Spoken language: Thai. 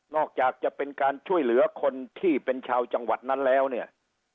อกจากจะเป็นการช่วยเหลือคนที่เป็นชาวจังหวัดนั้นแล้วเนี่ย